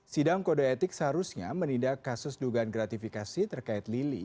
sidang kode etik seharusnya menindak kasus dugaan gratifikasi terkait lili